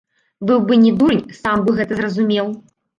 Быў бы не дурань, сам бы гэта зразумеў.